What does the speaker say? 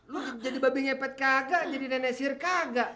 lu jadi babi ngepet kagak jadi nenek sihir kagak